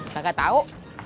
saya gak tau